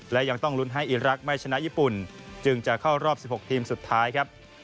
และยังต้องลุ้นให้อีรักษ์ไม่ชนะญี่ปุ่นจึงจะเข้ารอบ๑๖ทีมสุดท้ายครับ